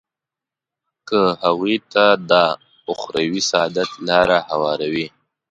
که هغوی ته د اخروي سعادت لاره هواروي.